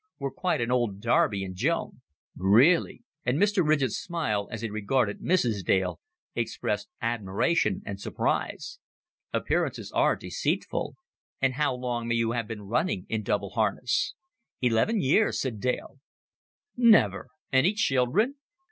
"We're quite an old Darby and Joan." "Really!" And Mr. Ridgett's smile, as he regarded Mrs. Dale, expressed admiration and surprise. "Appearances are deceitful. And how long may you have been running in double harness?" "Eleven years," said Dale. "Never! Any children?"